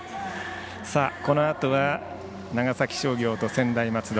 このあとは、長崎商業と専大松戸。